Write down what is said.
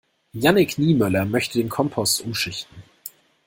Jannick Niemöller möchte den Kompost umschichten.